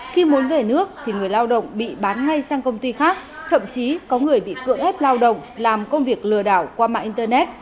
khi muốn về nước thì người lao động bị bán ngay sang công ty khác thậm chí có người bị cưỡng ép lao động làm công việc lừa đảo qua mạng internet